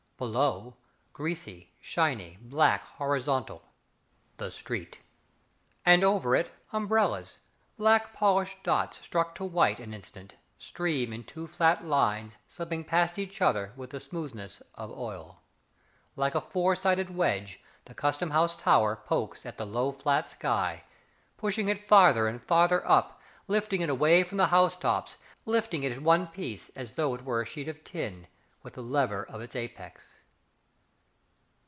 Below, Greasy, shiny, black, horizontal, The street. And over it, umbrellas, Black polished dots Struck to white An instant, Stream in two flat lines Slipping past each other with the smoothness of oil. Like a four sided wedge The Custom House Tower Pokes at the low, flat sky, Pushing it farther and farther up, Lifting it away from the house tops, Lifting it in one piece as though it were a sheet of tin, With the lever of its apex.